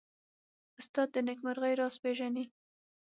استاد د نېکمرغۍ راز پېژني.